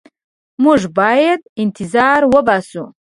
موږ باید انتظار وباسو.